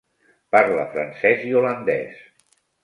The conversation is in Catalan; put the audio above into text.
Parla francès i holandès.